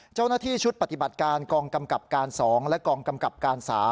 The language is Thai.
เจ้าหน้าที่ชุดปฏิบัติการกองกำกับการ๒และกองกำกับการ๓